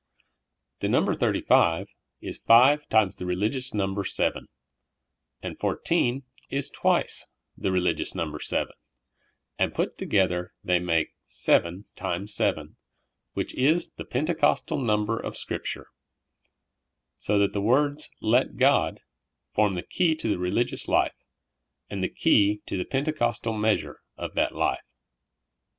The number thirt3^ five is five times the religious number seven, and fourteen is twice the religious number vSeven, and put together the3' make seven times seven, which is the Pentecostal number of Scripture ; so that the words "let God" form the key to the religious life, and the ke3^ to the Pentecostal measure of that life.